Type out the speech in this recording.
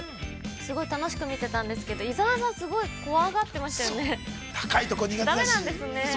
すごい楽しく見てたんですけれども、伊沢さん、すごい怖がっていましたよね。だめなんですね。